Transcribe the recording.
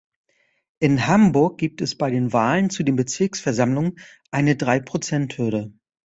In Hamburg gibt es bei den Wahlen zu den Bezirksversammlungen eine Drei-Prozent-Hürde.